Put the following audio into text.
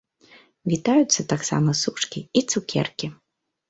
Вітаюцца таксама сушкі і цукеркі!